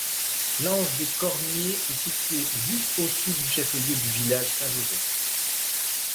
L’Anse-des-Cormier est situé juste au sud du chef-lieu du village, Saint-Joseph.